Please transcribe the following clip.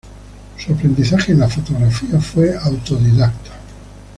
Su aprendizaje en la fotografía fue autodidacta.